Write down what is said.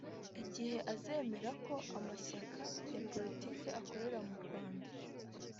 Igihe azemera ko amashyaka ya politiki akorera mu Rwanda